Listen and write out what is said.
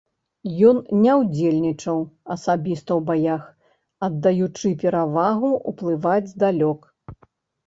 Ён не ўдзельнічаў асабіста ў баях, аддаючы перавагу ўплываць здалёк.